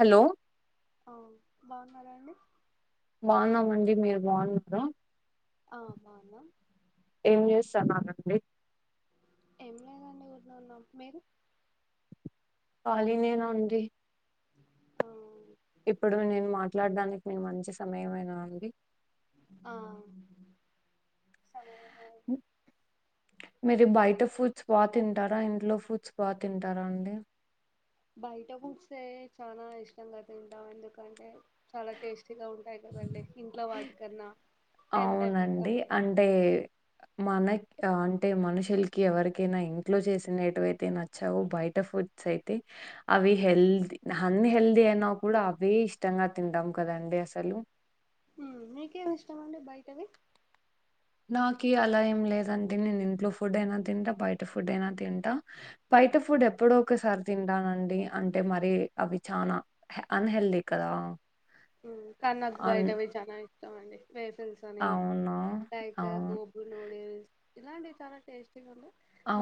Hello అ బాగున్నారా అండి బాగున్నామండి మీరు బాగున్నారుా ఆ మనా ఏం చేస్తాను అనండి ఏం లేదండి ఊరిన్న ఉన్నాం మీరు కాాలినేనాండి అ ఇప్పుడు నేను మాట్లాడడానికి న మంచి సమయమైనా అండి ఆ సమయం ఉ మీరి బయట ఫూడ్స్ బాగా తింటారా ఇంట్లో ఫూడ్స్ బాగా తింటారా అండి బయట ఫూడ్సే చాలా ఇష్టంగా తింటాం ఎందుకంటే చాలా టేస్ట్ గా ఉంటాయి కదండి ఇంట్లో వాటికన్నా టెంప్ట్ అయిపోతాం అవునండి అంటే మన అంటే మనుషులకి ఎవరికైనా ఇంట్లో చేసినటువయితే నచ్చావు బయట ఫుడ్ అయితే అవి హెల్దీ అన్ని హెల్దీ అయినా కూడా అవి ఇష్టంగా తింటం కదండి అండే అసలు ఉ మీకు ఏం ఇష్టం అండి బయటవి నాకి అలా ఏం లేదు అండి నేను ఇంట్లో ఫుడ్ అయినా తింటా బయట ఫుడ్ అయినా తింటా బయట ఫుడ్ ఎప్పుడో ఒకసారి తింటానండి అంటే మరి అవి చానా అన్ హెల్తి కదా ఉ కన్నకు అన్ బయటవి చానా ఇష్టం అండి వేఫల్సల్ అని అవునా? టైకా అవును. గోబు నూడిల్స్ ఇలాంటివి చాలా టేస్టీగా ఉండే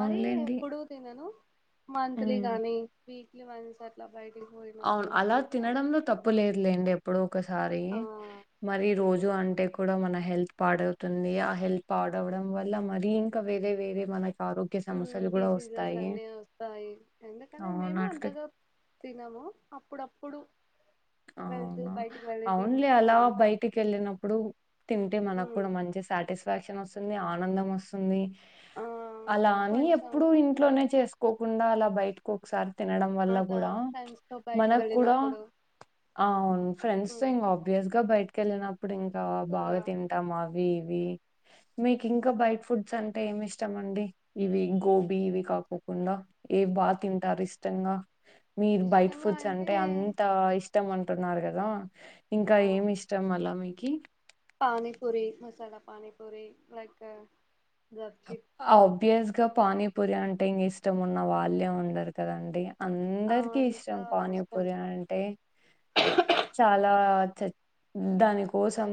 మరీ ఎప్పుడు తినను మంత్లీ హ్మ్. గానీ వీక్లీ వన్స్ అట్లా బయటికి అవును పోయినప్పుడు అలా తింటాం తినడంలో తప్పు లేదులేండి ఎప్పుడో ఒకసారి ఆ మరి రోజు అం టే కూడా మన హెల్త్ పాడవుతుంది ఆ హెల్త్ పాడు అవ్వడం వల్ల మరి ఇంకా వేరే వేరే మన ఉ డిసీజెస్ అన్ని వస్తాయి ఎందుకనే మేము అవునట్లే అంతగా తినము అప్పుడప్పుడు వెళ్తూ బా అవును లే అలా బయటికి వెళ్ళినప్పుడు తింటే మనకు ఉమ్, కూడా మంచి సాటిస్ఫాక్షన్ వసు తుంది ఆనందం వస్తుంది ఆ అలా అని కొంచెం ఎప్పుడు ఇంట్లోనే చేసు కోకుండా అలా బయటకు ఒకసారి తినడం వల్ల అట్లా కూడా ఫ్రెండ్స్ తో బయటికి మనకు కూడా వెళ్ళినప్పుడు అవును ఫ్రెండ్స్ తో ఉమ్, ఇంకా ఆబ్వియస్ గా బయటకి వెళ్ళినప్పుడు ఇంకా ఇంకా బాగా తింటాం మా వివి మీకు ఇంకా బైట్ ఫుడ్స్ అంటే ఏమి ఇష్టం అండి. ఇవి గోబీ ఇవి కాపోకుండా ఇవి బాగా తింటారు ఇష్టంగా మీరు బైట్ ఫుడ్స్ అంటే అం ఇష్టం అంటున్నారు కదా. ఇంకా ఏమి ఇష్టం అలా మీకి పానీ పూరి మసాలా పానీ పూరి లైక్ గప్చిప్ ఆబియస్ గా పానీపూరి అంటే ఇంక ఇష్టం ఉన్న వాళ్ళే ఉండరు కదండి అందరికి అంతా ఇష్టం ఇష్టం పానీపూరి అంటే చాలా చ దాని కోసం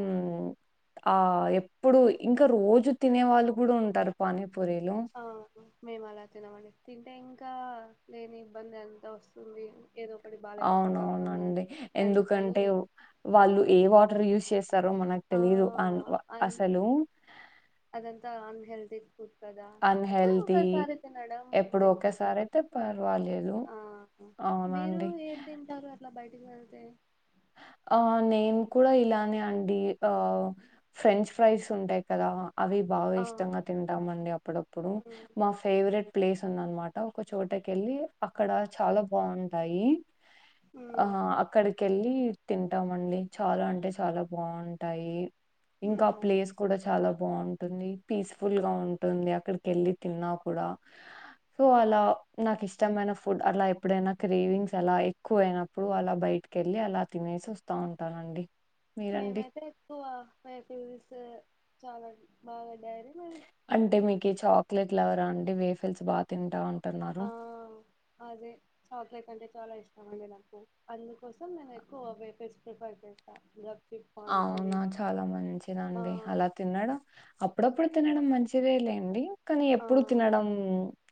ఆ ఎప్పుడు ఇంకా రోజు తినే వాళ్ళు కూడా ఉంటారు పానీపూరీలు ఆ మేము అలా తినమండి. తింటే ఇంకా లేని ఇబ్బంది అంత వస్తుంది ఏదో ఒకటి బాలేకోకుండా అవుతాము అవునవునండి ఎందుకని ఎందుకంటే వాళ్ళు ఏ వాటర్ యూస్ చేసు తారు మనకు ఆ తెలీదు అన్ వా అన్ అసలు అదంతా అన్హెల్తీ కదా ఎప్పుడు అన్‌హెల్తీ ఒకసారి తినడం ఎప్పుడు మంచిది. ఒకేసారి అయితే పర్వాలేదు. ఆ మీరు అవునండి. ఏది తింటారు అట్లా బయటికి వెళ్తే ఆ ఆ నేను కూడా ఇలానే అండి ఆ ఫ్రెంచ్ ఫ్రైస్ ఉంటాయి కదా. అవి బాగా ఆ ఇష్టంగా తింటాం అండి. అప్పుడప్పుడు మ్మ్ మా ఫేవరెట్ ప్లేస్ తుంది అనమాట ఒక చోటకెళ్ళి అక్కడ చాలా బాగుంటాయి. ఆ మ్మ్ అక్కడికెళ్ళి. గీర్ తింటాము అండి. చాలా అంటే చాలా బాగుంటాయి. ఇంకా ఆ మ్మ్ ప్లేస్ కూడా చాలా బ్ బాగుంటుంది. పీస్ఫుల్ గా ఉంటుంది. అక్కడికెళ్ళి తిన్నా కూడా సో అలా నాకు ఇష్టమైన ఫుడ్ అలా ఎప్పుడైనా క్రేవింగ్స్ అలా ఎక్కువయినప్పుడు అలా బయటికి కె వెళ్ళి అలా తినేసి వస్తా ఉంటానండి. మీరండి? మేమైతే ఎక్కువ వేఫైల్స్ చాలాండి. బాగా డైరీ అంటే మిల్క్ మీకి చాక్లెట్ లవరా అండి వేఫెల్స్ బాగా తింటా అం ఆ అదే చాక్లెట్ అంటే చాలా ఇష్ ఆగే, నాకు అందుకోసం నేను ఎక్కువ వేపర్స్ ప్రిఫర్ చేస్తా. గప్ అవునా చాలా ఆ మంచిదండి. అలా తిన్నాడ అప్ అప్పుడప్పుడు తినడం మంచిదే లేండి. కానీ ఆ ఎప్పుడు తినడం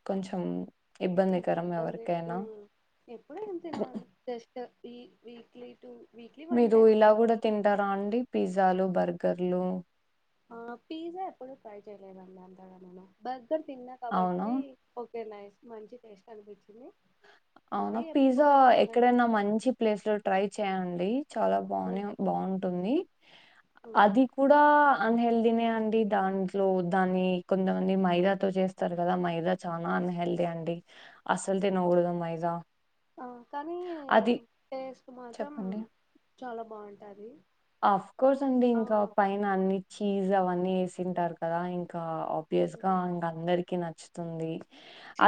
కొంచెం ఇబ్బందికరం గా ఎవరికైనా ఎప్పుడు ఏం తినమండి. Just we weekly two weekly one మీరు టైం ఇలా కూడా తింటారా అండి. పిజ్జాలు, బర్గర్లు. ఆ పిజ్జా ఎప్పుడూ ట్రై చేయలేదండి. అంతగననో బర్గర్ తిన్నా అవునా? కాబట్టి ఓ ఓకే నైస్ మంచి టేస్ట్ అనిపించింది అవునా మరీ పిజ్జా ఎక్కువ ఏం తినను ఎక్కడైనా మంచి ప్లేస్ లో ట్రై చేయండి చాలా మ్మ్ బానే బాగుంటుంది మ్మ్ అది కూడా ఆన్ హెల్త్డీ అండి దాంట్లో దాన్ని కొంతమంది మైదాతో చేస్తారు కదా మైదా చాలా అన్ హెల్దీఅండి అసలు తినకూడదు మైదా కానీ అది టేస్ట్ మాత్రం చాలా బాగుంటంది. ఆఫ్ కోర్స్ అండి ఇంకా పైన అన్ని చీజ్ అవన్నీ వేసింటారు కదా ఇంకా అబియస్ గా ఇంగ అందరికి నచ్చుతుంది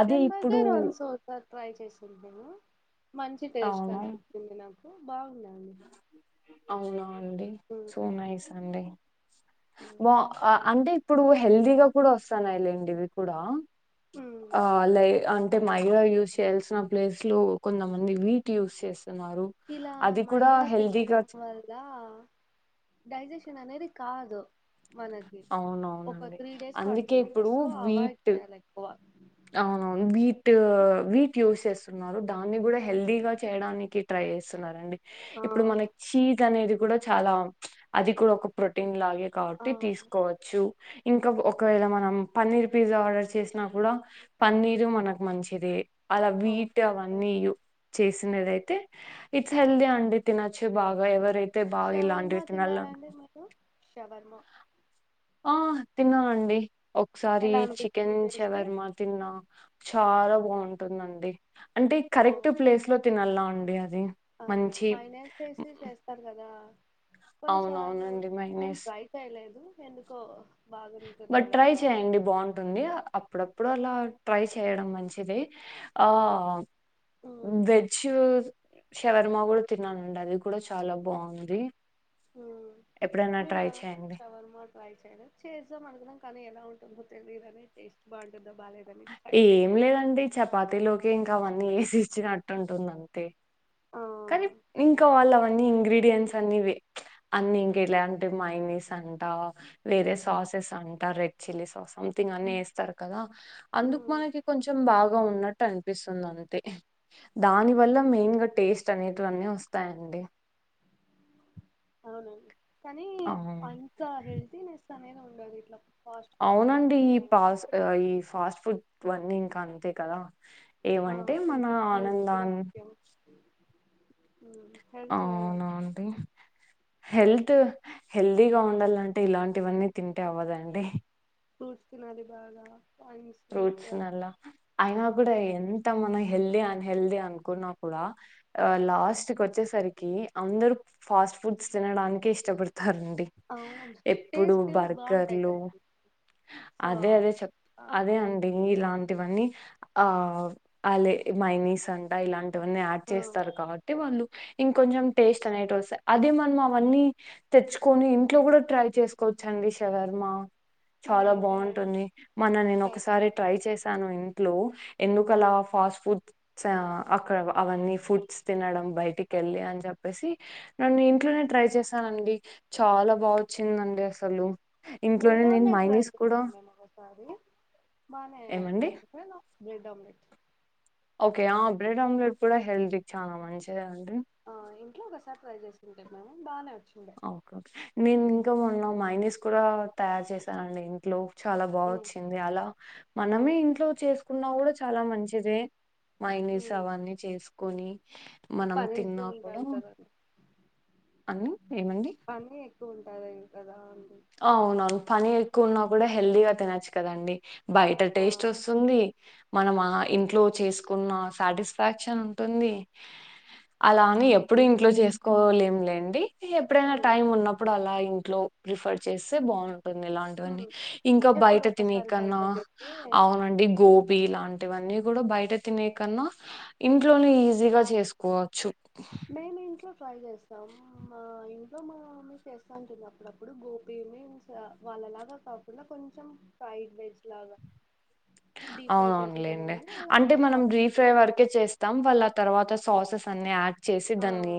అది ఇప్పుడు బర్గర్ వన్స్ ఒక ట్రై చేసి చూద్దామూ మంచి టేస్ట్ అవును. అనిపించింది నాకు బాగుందండి అవునా అండి సో ఉమ్. నైస్ అండి బ అంటే ఇప్పుడు హెల్దీగా కూడా వస్తున్నాయిలేండి ఇవి కూడా ఉమ్. ఆ లై అంటే మైరా యూజ్ చేయాల్సిన ప్లేస్ లో కొంతమంది వీట్ యూస్ చేస్తా ఇలా మైదా తినడం వల్ల డైజెషన్ అనేది కాదు మనకి ఒక అవునవునండి త్రీ డేస్ అందుకే పడుతుదట సో అవాయిడ్ ఎక్కువ అవునును వీట్ వీట్ యోసేస్ చేస్తున్నారు దాన్ని కూడా హెల్దీ గా చేయడానికి ట్రై చేస్తున్నారుడి ఆ, ఇప్పుడు మన చీస్ అనేది కూడా చాలా అది కూడా ఒక ప్రోటీన్ లాగే ఆ, కాబట్టి తీసుకోవచ్చు ఇంకా ఒకవేళ మనం పన్నీర్ పిజ్జా ఆర్డర్ చేసినా కూడా పన్నీరు మనకు మంచిది అలా వీటు ఓకే అవన్నీ చేసినదయితే ఇట్స్ హెల్దీ అండి తినొచ్చు బాగా ఎవరైతే తే బాగా ఇలాంటివి తిన శవర్మ ఆ తిన్నా అండి ఒకసారి ఎలా చికెన్ అనిపించింది టేస్ట్ శవర్మా తిన్నా చాలా బాగుంటుందండి అంటే కరెక్ట్ ప్లేస్ లో తినలా అండి అది ఆ మంచి మనేస్ తీసి చేస్తారు కదా కొన్నిసార్లు అవునవునండి నీను మైనీస్. ట్రై చేయలేదు ఎందుకో బాగుంటుందో బట్ ట్రై లేదో అని చేయండి బాగుంటుంది అప్పుడప్పుడు అలా ట్రై చేయడం మంచిదే ఆ ఉమ్ వెజ్ శవర్మ కూడా తిన్నానండి అది కూడా చాలా బాగుంది మేము చవర్మా ట్రై చేయలే చేద్దాం అనుకున్నాం కానీ ఎలా ఉంటుందో తెలియదనే టేస్ట్ బాగుంట ఏం లేదండి చపాతీలోకి ఇంకా అవన్నీ వేసి ఇచ్చినట్టుంటుంది అంతే ఆ కానీ ఇంకా వాళ్ళు అవన్నీ ఇంగ్రీడియంట్స్ అన్ని అన్ని ఇంకెలా అంటే మైనీస్ అ అంట వేరే సాసెస్ అంట రెడ్ చిల్లీ సాస్ సథింగ్ అన్ని వేస్తారు కదా అందుకు ఉమ్ మనకి కొంచెం బాగా ఉన్నట్టు అనిపిస్తుంది అంతే దాని వల్ల మెయిన్ గా టేస్ట్ అనేటివన్నీ వస్తాయండి అవునండి కానీ ఆ అంత హెల్తీనెస్ అనేది ఉండదు ఇట్లా ఫాస్ట్ ఫుడ్ బయట అవునండి ఈ తినడం వల్ల పాస్ ఈ ఫాస్ట్ ఫుడ్ అన్నీ ఇంకా అంతే కదా ఆ ఏమంటే మన కొంచెం హెల్త్ కూడా ఆనందాన్ని ముఖ్యం ఆ హెల్త్ అవునా అండి హెల్త్ హెల్దీగా ఉండాలంటే ఇలాంటివన్నీ తింటే అవ్వదండి ఫ్రూట్స్ తినాలి బాగా అండ్ స్వీట్ ఫ్రూట్స్ నల ఆ అయినా కూడా ఎంత మన హెల్దీ ఆన్ హెల్దీ అనుకున్నా కూడా లాస్ట్ వచ్చేసరికి అందరు ఫాస్ట్ ఫాస్ట్ ఫుడ్స్ తినడానికి ఇష్టపడతారండి అవును ఎప్పుడు టేస్ట్ బాగుంటాయి బర్గర్లు కదండి సో అదే అదే చెప్ ఆ, అదే అండి ఇలాంటివన్నీ ఆ అ లే మైనీస్ అంట ఇలాంటి అవాన్ని యాడ్ ఆ, చేస్తారు కాబట్టి వాళ్ళు ఇంకొంచెం టేస్ట్ అనేటివి వస్తాయ్ అదే మనం అవన్నీ తెచ్చుకొని ఇంట్లో కూడా ట్రై చేసుకోవచ్చు అండి శవర్మ చాలా మేమైతే బాగుంటుంది మన్న నేను ట్రై ఒకసారి ట్రై చేశాను ఇంట్లో ఎందుకు అలా ఫాస్ట్ ఫుడ్స్ ఆ అక్కడ అవన్నీ ఫుడ్స్ తినడం బయటికి కెళ్లె అని చెప్ప్ చెప్పేసి నిన్న ఇంట్లోనే ట్రై చేశానండి చాలా బాగ వచ్చిందండి అసలు ఇంట్లోనే బ్రెడ్ నేను అమ్లెట్ మైనీస్ కూడా చేసాను నేను ఒకసారి బానే ఏమండి బ్రెడ్ ఆమ్లెట్ ఓకే ఆ బ్రెడ్ ఆమ్లెట్ కూడా హెల్తీ కీ చాలా మంచిది అండి నువ్వు ఒసారి ట్రైల్ చేసుకుంటే బానే వచ్చిండే ఆ ఓకే ఓకే నేను ఉమ్, ఇంకా మొన్న మైనస్ కూడా తయారు చేసానండి ఇంట్లో చాలా బాగా ఉమ్, వచ్చింది అలా మనమే ఇంట్లో చేసుకున్నా కూడా చాలా మంచిదే మైనిస్ ఉమ్. అవన్నీ చేసుకొని మనం పని తిన్నా ఎక్కువ కూడా ఉంటాది కదండి అన్ని ఏమండి కద [unintelligible] కదా అండి కోన్నా కూడా హెల్దీగా తినొచ్చు కదండి బయట ఆ టేస్ట్ వోస్తుంది మనం ఆ ఇంట్లో చేసుకున్నా సాటిస్ఫాక్షన్ ఉంటుంది అలా అని ఎప్పుడు ఇంట్లో చేసుకోలేం లేండి ఎప్పుడైనా ఉమ్, టైం ఉన్నప్పుడు అలా ఇంట్లో ప్రిఫర్ చేస్తే బాగు ఇలాంటివన్నీ ఉమ్. ఇంకా బయట ఎప్పుడో తినే ఒకసారి కన్నా బయట తింటే అవునండి గోబి లాంటి వీటివాన్నీ గూడ బయట తినే కన్నా ఇంట్లోనే ఈజీగా చేసుకోవచ్చు మేం ఇంట్లో ట్రై చేస్తాం మా ఇంట్లో మా మమ్మి చేస్తా అంటుంది అప్పుడప్పుడు గోబి మీన్స్ లాగ కాకుండా కొంచెం ఫైడ్ రైస్ లాగ అవునవును లేండి అలా అంటే చేస్తా మనం డీ వస్తుంది. ఫ్రై వరకే చేస్తాం వాళ్ళు అ తర్వాత సాసెస్స్ అన్నీ యాడ్ చేసి ఆ దాన్ని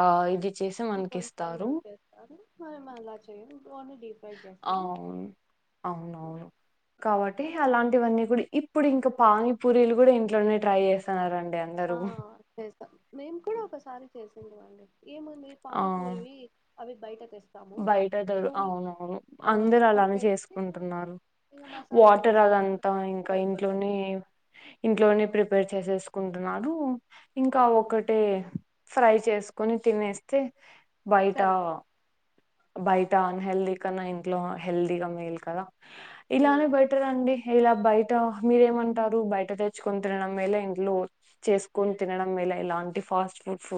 ఆ ఇది చేసి మనకి ఇంకొంచెం ఇస్తారు చేస్తారు మేము అలా చేయం ఓన్లీ డీప్ ఫ్రై చేస్తాం అవున్ అవున కాబట్టి అలా ఇవన్నీ కూడా ఇప్పుడు ఇంకా పానీ పూరీలు కూడా ఇంట్లోనే ట్రై చేస్తున్నార ఆ చేస్తాం మేము కూడ ఒకసారి చేసింటిమి అండి ఏముంది ఆ! పానీపూరివి అవి బయట తెస్త బయట దొర అవునవును ఆ, అవి అందరు ఒకటి అలానే తెచ్చి చేసుకుంటున్నారు ఇంకా మసాలా వాటర్ చేసేసుకుంటే మనకి అదంతా ఇంకా సరిపోతది ఇంట్లోనే ఇంట్లోనే ప్రిప ప్రిపేర్ చేసేసుకుంటున్నాను ఇంకా ఒకటే ఫ్రై చేసుకోని తినేస్తే బయట సరిపోతది బయట అన్ హెల్దీ కన్నా ఇంట్లోనే హెల్దీగా మేల్ గదా ఇలానే బెటర్ అండి ఇలా బయట మీరేమంటారు బయట తెచ్చుకొని తినడం మేల ఇంట్లో చేసుకొని తినడం మేల ఇలా ఇలాంటి ఫాస్ట్ ఫుడ్స్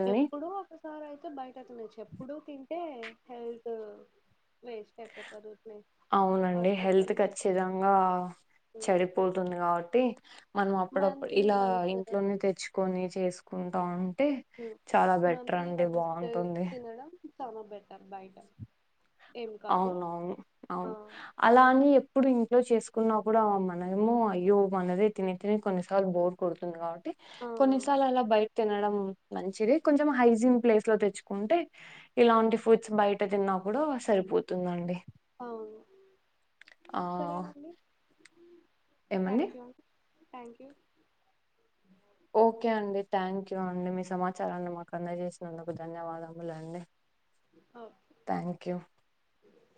అన్ని ఎప్పుడూ ఒకసారి అయితే బయట తినొచ్చు ఎప్పుడూ తింటే హెల్త్ లేసి పడిపోతారు ఊరకనే అవునండి హెల్త్ హాస్పిటల్ లో ఖచ్చితంగా చెడిపోతుంది కాబట్టి మనం అప్పుడప్పుడు మంత్లీ ఇలా వన్స్ ఇంట్లోనే తెచ్చుకొని చేసుకో కుంటా ఉంటే చాల బెటర్ అండి బావుంటుంది చాల బెటర్ బయట ఏం కాదు అవునవును ఆ అవును అలా అని ఎప్పుడు ఇం ఇంట్లోలో చేసుకున్నా కూడా మనమో అయ్యో మనదే తిని తిని కొన్నిసార్లు బోర్ కొడుతుంది కాబట్టి ఆ కొన్నిసార్లు అలా బయ తినడం మంచిది కొంచెం హైజీన్ ప్లేస్ లో తెచ్చుకుంటే ఇలాంటి ఫుడ్స్ బయట తిన్నా సరిపోతుంది అండి అవును సరేనండి ఏమండి? Thank you thank you okay అండి థ్యాంక్ యూ అండి మీ సమాచారాన్ని మాకు అందజేసినందుకు ధన్యవాదములు అండి ఓకే